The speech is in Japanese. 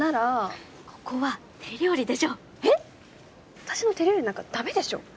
私の手料理なんかダメでしょ。